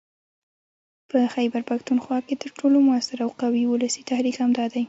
په خيبرپښتونخوا کې تر ټولو موثر او قوي ولسي تحريک همدا دی